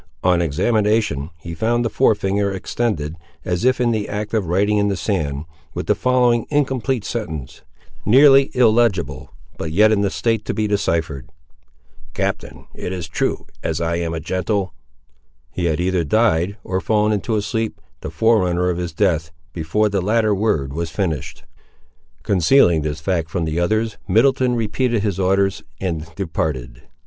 On examination, he found the fore finger extended, as if in the act of writing in the sand, with the following incomplete sentence, nearly illegible, but yet in a state to be deciphered: "Captain, it is true, as I am a gentle—" He had either died, or fallen into a sleep, the forerunner of his death, before the latter word was finished. Concealing this fact from the others, Middleton repeated his orders and departed.